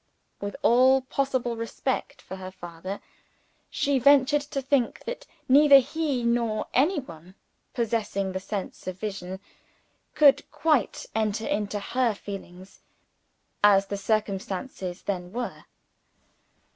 With all possible respect for her father, she ventured to think that neither he nor any one, possessing the sense of vision, could quite enter into her feelings as the circumstances then were.